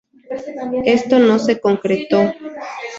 Esto no se concretó.